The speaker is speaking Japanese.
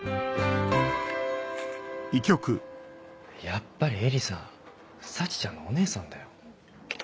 やっぱり絵理さん沙智ちゃんのお姉さんだよ。